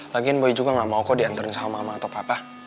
lagian boy juga nggak mau oko dihantarin sama mama atau papa